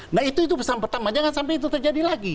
nah itu pesan pertama jangan sampai itu terjadi lagi